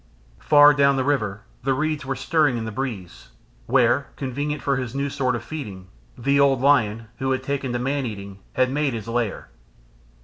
Far down the river the reeds were stirring in the breeze, where, convenient for his new sort of feeding, the old lion, who had taken to man eating, had made his lair.